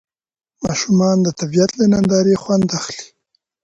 ماشومان د طبیعت له نندارې خوند اخلي